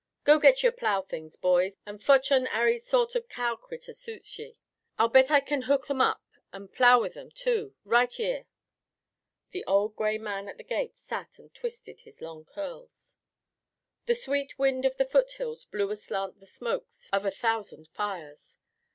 Go git yer plow things, boys, an' fotch on ary sort of cow critter suits ye. I'll bet I kin hook 'em up an' plow with 'em, too, right yere!" The old gray man at the gate sat and twisted his long curls. The sweet wind of the foothills blew aslant the smokes of a thousand fires.